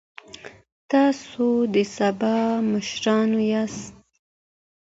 تاسو د سبا مشران یاست.